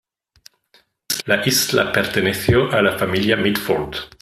La isla perteneció a la familia Mitford.